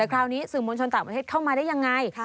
คราวนี้สื่อมวลชนต่างประเทศเข้ามาได้ยังไง